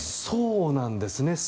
そうなんですね。